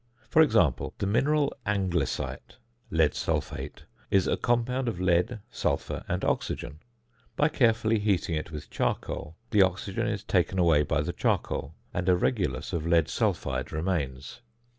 For example, the mineral anglesite (lead sulphate) is a compound of lead, sulphur, and oxygen; by carefully heating it with charcoal the oxygen is taken away by the charcoal, and a regulus of lead sulphide remains.